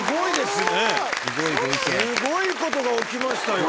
すごいことが起きましたよ。